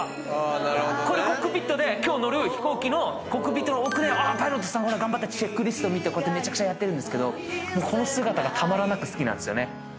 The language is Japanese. これコックピットで今日乗る飛行機のコックピットの奥でパイロットさん頑張ってチェックリスト見てこうやってやってるんですけどこの姿がたまらなく好きなんですよね。